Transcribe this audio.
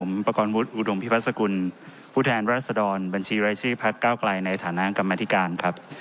ผมประกอบวุฒิอุดมพิพัศกุลผู้แทนรัศดรบัญชีรายชื่อพักเก้าไกลในฐานะกรรมธิการครับ